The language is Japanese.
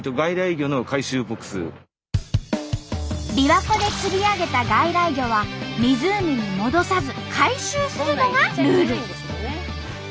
びわ湖で釣り上げた外来魚は湖に戻さず回収するのがルール。